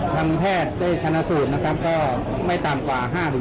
ทางแพทย์ทำได้ชนสูตรไม่ตามกว่า๕๗วัน